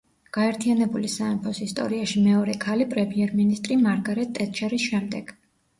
გაერთიანებული სამეფოს ისტორიაში მეორე ქალი პრემიერ-მინისტრი მარგარეტ ტეტჩერის შემდეგ.